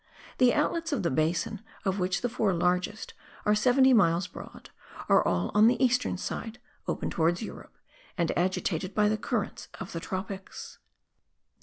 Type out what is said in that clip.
The outlets of the basin, of which the four largest* are 75 miles broad, are all on the eastern side, open towards Europe, and agitated by the current of the tropics.